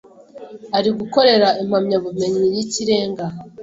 ari gukorera impamyabumenyi y’ikirenga